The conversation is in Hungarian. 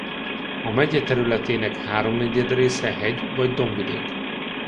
A megye területének háromnegyed része hegy-vagy dombvidék.